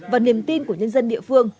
và niềm tin của nhân dân địa phương